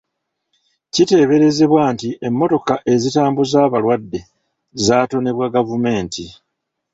Kiteeberezebwa nti emmotoka ezitambuza abalwadde zatonebwa gavumenti.